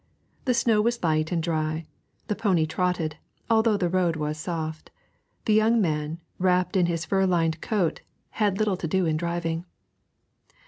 The snow was light and dry; the pony trotted, although the road was soft; the young man, wrapped in his fur lined coat, had little to do in driving.